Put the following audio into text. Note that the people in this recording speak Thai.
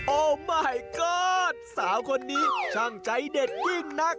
โอ้มายก็อดสาวคนนี้ช่างใจเด็ดที่นัก